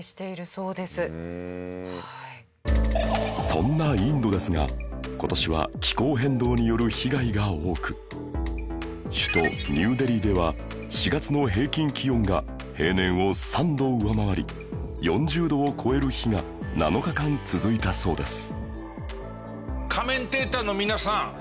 そんなインドですが今年は気候変動による被害が多く首都ニューデリーでは４月の平均気温が平年を３度上回り４０度を超える日が７日間続いたそうです